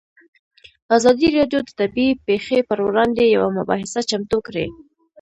ازادي راډیو د طبیعي پېښې پر وړاندې یوه مباحثه چمتو کړې.